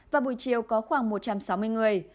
và buổi chiều có khoảng một trăm sáu mươi người